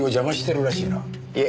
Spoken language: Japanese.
いえ